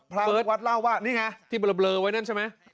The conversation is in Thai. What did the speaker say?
เบิร์ตวัดเล่าว่านี่ไงที่เบลอไว้นั่นใช่ไหม